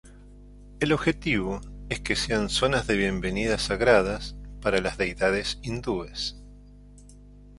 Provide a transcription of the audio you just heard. El objetivo es que sean zonas de bienvenida sagradas para las deidades hindúes.